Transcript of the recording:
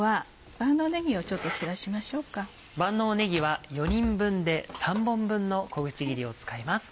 万能ねぎは４人分で３本分の小口切りを使います。